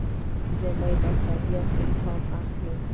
نجلۍ له طبیعته الهام اخلي.